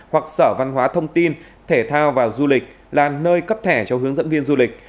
hoặc sở văn hóa thông tin thể thao và du lịch là nơi cấp thẻ cho hướng dẫn viên du lịch